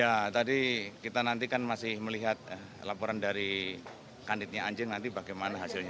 ya tadi kita nanti kan masih melihat laporan dari kanditnya anjing nanti bagaimana hasilnya